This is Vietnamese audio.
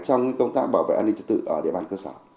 trong công tác bảo vệ an ninh trật tự ở địa bàn cơ sở